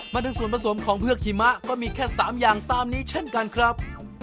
มาถึงส่วนผสมของเฮือกหิมะก็มีแค่๓อย่างตามนี้เช่นกันครับ